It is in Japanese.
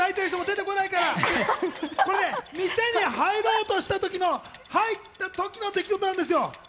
これね、店に入ろうとしたときの、入った時の出来事なんですよ。